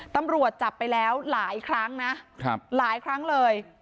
ตำรวจจับไปแล้วหลายครั้งนะหลายครั้งเลย